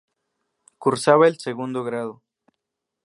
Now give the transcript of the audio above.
Cursaba el segundo grado.